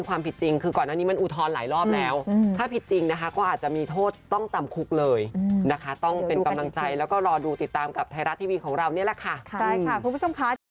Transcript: ความผิดจริงคือก่อนอันนี้มันอุทธรณ์หลายรอบแล้วถ้าผิดจริงนะคะก็อาจจะมีโทษต้องจำคุกเลยนะคะต้องเป็นกำลังใจแล้วก็รอดูติดตามกับไทยรัฐทีวีของเรานี่แหละค่ะใช่ค่ะคุณผู้ชมค่ะ